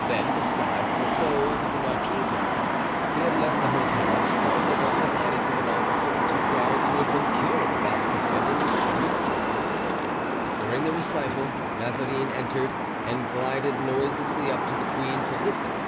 Then, disguised in the clothes of the Marquis d'O——, he had left the hotel, stumbling over the bodies of an officer and two guards who had been killed whilst defending the street door. During the recital Mazarin entered and glided noiselessly up to the queen to listen.